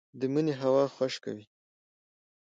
د مني هوا خشکه وي